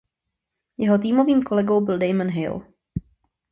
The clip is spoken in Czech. Jeho týmovým kolegou byl Damon Hill.